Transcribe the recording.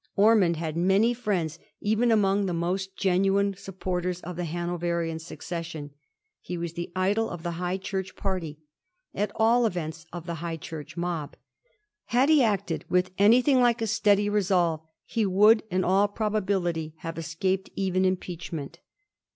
Ormond had many friends even among the most genuine supporters of the Hanoverian succession. He was the idol of the High Church party ; at all events of the High Church mob. Had he acted with anything like a steady resolve he would, in all probability, have escaped even impeach ment.